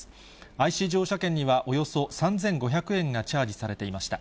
ＩＣ乗車券にはおよそ３５００円がチャージされていました。